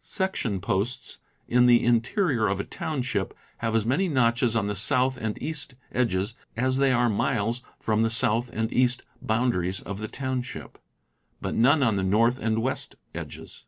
Section posts in the in terior of a township have as many notches on the south and east edges as they are miles from the south and east boundaries of the township, but none on the north and west edges.